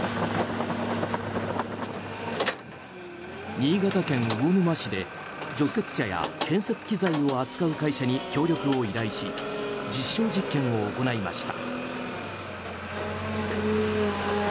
新潟県魚沼市で除雪車や建設機材を扱う会社に協力を依頼し実証実験を行いました。